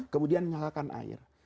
kemudian nyalakan air